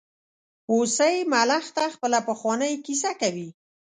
هوسۍ ملخ ته خپله پخوانۍ کیسه کوي.